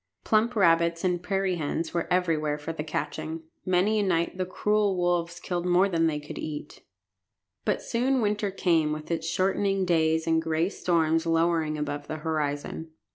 Plump rabbits and prairie hens were everywhere for the catching. Many a night the cruel wolves killed more than they could eat. But soon winter came with its shortening days and gray storms lowering above the horizon.